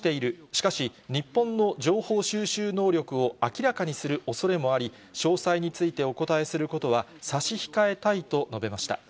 しかし、日本の情報収集能力を明らかにするおそれもあり、詳細についてお答えすることは差し控えたいと述べました。